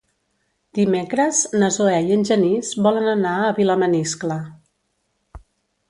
Dimecres na Zoè i en Genís volen anar a Vilamaniscle.